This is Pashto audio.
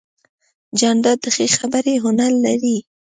جانداد د ښې خبرې هنر لري.